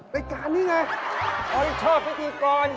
รายการนี้ไง